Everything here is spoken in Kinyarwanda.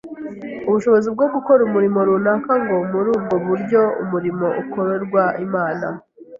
ubushobozi bwo gukora umurimo runaka ngo muri ubwo buryo umurimo ukorerwa Imana